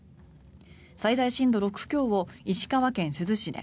最大震度６強を石川県珠洲市で